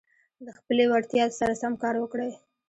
د خپلي وړتیا سره سم کار وکړئ.